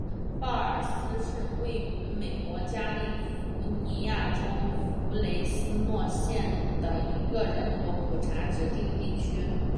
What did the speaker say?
鲍尔斯是位于美国加利福尼亚州弗雷斯诺县的一个人口普查指定地区。